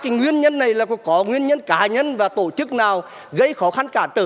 nguyên nhân này là có nguyên nhân cá nhân và tổ chức nào gây khó khăn cản trở